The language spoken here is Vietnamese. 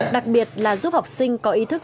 đặc biệt là giúp học sinh có ý thức